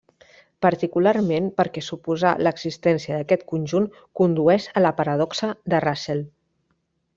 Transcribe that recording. Particularment perquè suposar l'existència d'aquest conjunt condueix a la paradoxa de Russell.